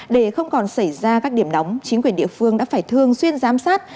để không còn xảy ra các điểm đóng chính quyền địa phương đã phải thương xuyên giám sát